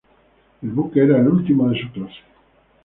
El buque era el último de su clase.